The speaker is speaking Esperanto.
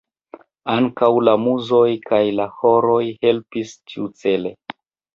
Ankaŭ la muzoj kaj la horoj helpis tiucele.